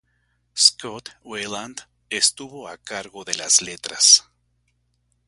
Scott Weiland estuvo a cargo de las letras.